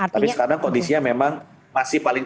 tapi sekarang kondisinya memang masih paling